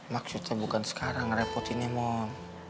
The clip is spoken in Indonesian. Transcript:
maksudnya bukan sekarang ngerepotinnya mon